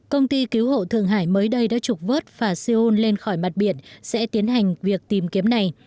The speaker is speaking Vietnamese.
công ty cứu hộ thường hải mới đây đã trục vớt phà seoul lên khỏi mặt biển sẽ tiến hành việc tìm kiếm này